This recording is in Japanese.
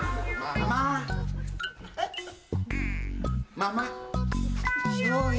ママ。